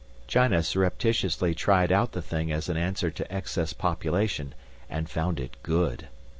China surreptitiously tried out the thing as an answer to excess population, and found it good.